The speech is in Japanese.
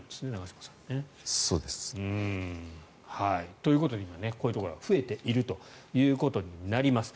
そうです。ということでこういうところが増えているということになります。